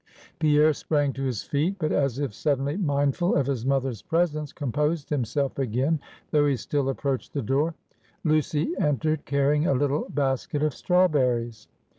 Pierre sprang to his feet; but as if suddenly mindful of his mother's presence, composed himself again, though he still approached the door. Lucy entered, carrying a little basket of strawberries.